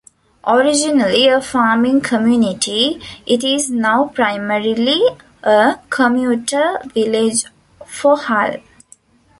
Originally a farming community, it is now primarily a commuter village for Hull.